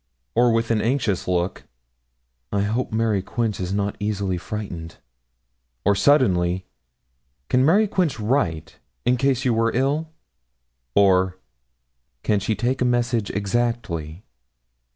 Or, with an anxious look: 'I hope Mary Quince is not easily frightened.' Or, suddenly: 'Can Mary Quince write, in case you were ill?' Or, 'Can she take a message exactly?'